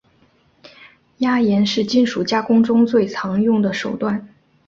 压延是金属加工中最常用的手段。